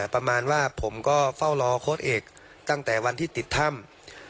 ประมาณว่าผมก็เฝ้ารอโค้ดเอกตั้งแต่วันที่ติดถ้ำ